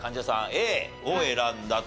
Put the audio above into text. Ａを選んだと。